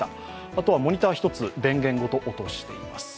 あとはモニター１つ、電源ごと落としています。